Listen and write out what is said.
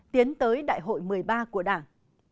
tiến tới đại hội một mươi ba của đảng